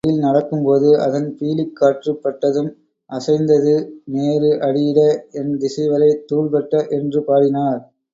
மயில் நடக்கும்போது அதன் பீலிக் காற்றுப் பட்டதும், அசைந்தது மேரு அடியிட எண் திசைவரை தூள்பட்ட என்று பாடினார்.